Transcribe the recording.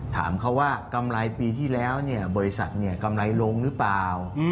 ถามเขาว่ากำไรปีที่แล้วบริษัทกำไรลงหรือเปล่า